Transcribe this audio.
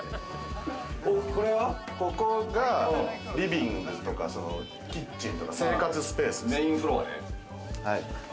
ここがリビングとかキッチンとか生活スペース。